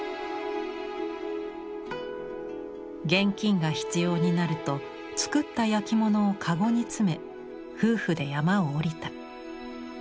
現金が必要になると作った焼き物を籠に詰め夫婦で山を下りた。